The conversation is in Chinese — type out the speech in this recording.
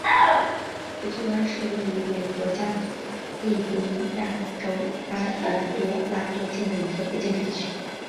翡翠湾是位于美国加利福尼亚州埃尔多拉多县的一个非建制地区。